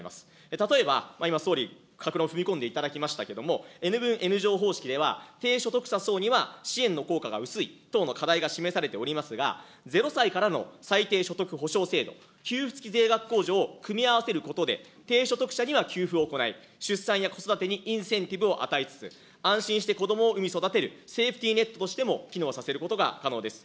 例えば今、総理各論踏み込んでいただきましたけれども、Ｎ分Ｎ乗方式では、低所得者層には支援の効果が薄い等の課題が示されておりますが、０歳からの最低所得補償制度、給付付き税額控除を組み合わせることで、低所得者には給付を行い、出産や子育てにインセンティブを与えつつ、安心して子どもを産み育てるセーフティーネットとしても機能させることが可能です。